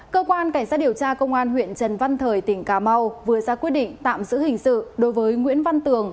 cơ quan cảnh sát điều tra công an huyện trần văn thời tỉnh cà mau vừa ra quyết định tạm giữ hình sự đối với nguyễn văn tường